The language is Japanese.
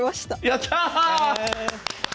やった！